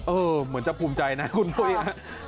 เออเหมือนจะภูมิใจนะคุณบุ๊คฮะ